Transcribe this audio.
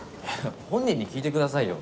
本人に聞いてくださいよ。